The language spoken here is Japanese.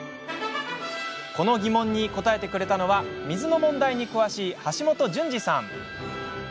この疑問に答えてくれたのは水の問題に詳しい橋本淳司さん。